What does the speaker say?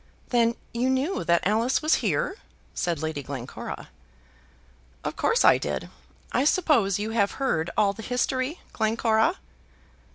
"Then you knew that Alice was here," said Lady Glencora. "Of course I did. I suppose you have heard all the history, Glencora?"